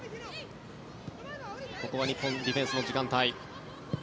ここは日本ディフェンスの時間帯。